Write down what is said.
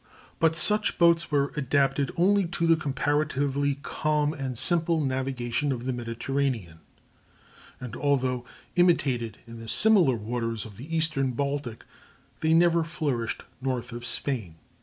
] But such boats were adapted only to the comparatively calm and simple navigation of the Mediterranean; and although imitated in the similar waters of the eastern Baltic, they never flourished north of Spain.